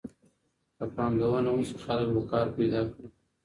که پانګونه وسي خلګ به کار پیدا کړي.